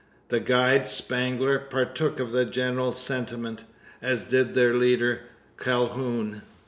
The guide Spangler partook of the general sentiment, as did their leader Calhoun.